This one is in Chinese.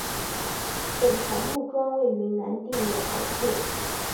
本条目专为云南定远而作。